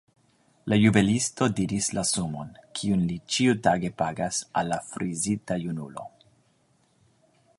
La juvelisto diris la sumon, kiun li ĉiutage pagas al la frizita junulo.